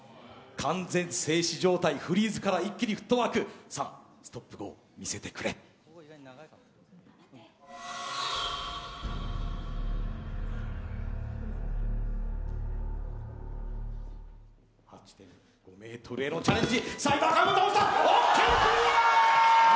完全静止状態フリーズから一気にフットワークさあストップゴー見せてくれ８．５ｍへのチャレンジさあ今赤いボタンを押したＯＫクリア！